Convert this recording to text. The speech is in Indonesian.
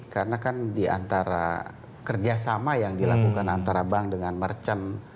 karena kan diantara kerjasama yang dilakukan antara bank dengan merchant